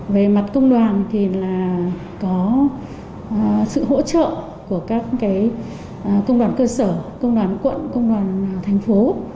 về mặt công đoàn thì là có sự hỗ trợ của các công đoàn cơ sở công đoàn quận công đoàn thành phố